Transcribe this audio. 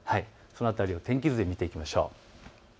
この辺りを天気図で見ていきましょう。